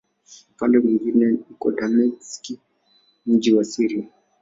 Upande mwingine iko Dameski, mji mkuu wa Syria.